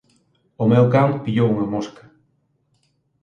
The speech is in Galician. O meu can pillou unha mosca